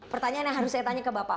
pertanyaan yang harus saya tanya ke bapak